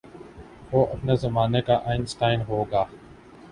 وہ اپنے زمانے کا آئن سٹائن ہو گا۔